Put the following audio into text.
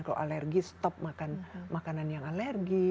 kalau alergi stop makan makanan yang alergi